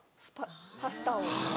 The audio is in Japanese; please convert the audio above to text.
パスタを。